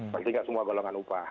bagi nggak semua golongan upah